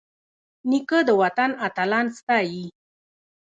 نیکه د وطن اتلان ستايي.